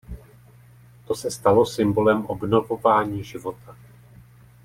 To se stalo symbolem obnovování života.